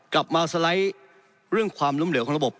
กลับมาสไลด์ความล้มเหลือของระบบ